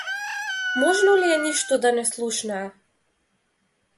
Можно ли е ништо да не слушнаа?